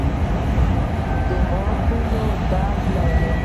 د غاښونو درد لرئ؟